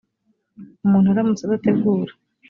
umuntu aramutse adategura